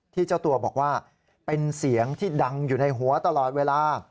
เจ้าตัวบอกว่าเป็นเสียงที่ดังอยู่ในหัวตลอดเวลา